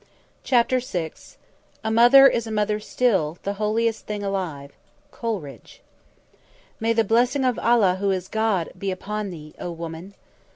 CHAPTER VI "A mother is a mother still, The holiest thing alive." COLERIDGE. "May the blessing of Allah who is God be upon thee, O woman!"